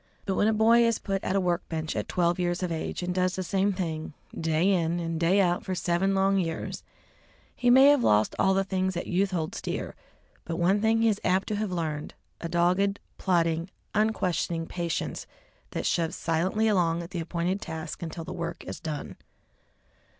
But when a boy is put at a work bench at twelve years of age and does the same thing day in and day out for seven long years, he may have lost all of the things that youth holds dear, but one thing he is apt to have learned, a dogged, plodding, unquestioning patience that shoves silently along at the appointed task until the work is done.